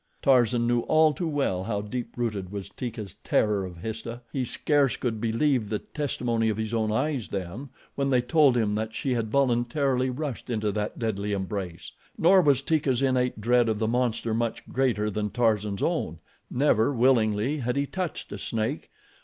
Tarzan knew all too well how deep rooted was Teeka's terror of Histah. He scarce could believe the testimony of his own eyes then, when they told him that she had voluntarily rushed into that deadly embrace. Nor was Teeka's innate dread of the monster much greater than Tarzan's own. Never, willingly, had he touched a snake.